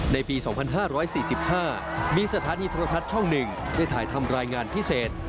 ในปี๒๕๔๕มีสถานีโทรทัศน์ช่อง๑ได้ถ่ายทำรายงานพิเศษ